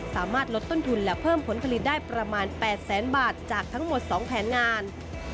สามารถลดต้นทุนและเพิ่มผลผลิตได้ประมาณ๘แสนบาทจากทั้งหมด๒แผนงาน